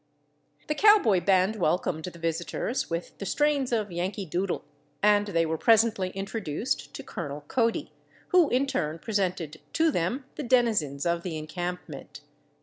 The cowboy band welcomed the visitors with the strains of "Yankee Doodle," and they were presently introduced to Colonel Cody, who in turn presented to them the denizens of the encampment.